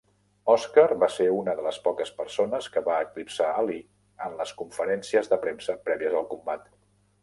Oscar va ser una de les poques persones que va eclipsar Ali en les conferències de premsa prèvies al combat.